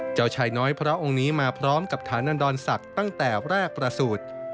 เจ้าชายน้อยพระองค์นี้มาพร้อมกับฐานันดรศักดิ์ตั้งแต่แรกประสูจน์